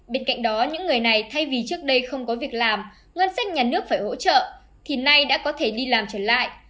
bên cạnh đó những người này thay vì trước đây không có việc làm ngân sách nhà nước phải hỗ trợ thì nay đã có thể đi làm trở lại